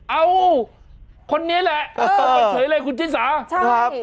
เอ้าคนนี้แหละต้องไปเฉยเลยคุณจิตศาษย์ใช่